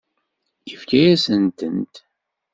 Yefka-yasent-tent?